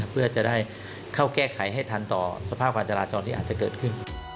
เพื่อจะได้เข้าแก้ไขให้ทันต่อสภาพการจราจรที่อาจจะเกิดขึ้น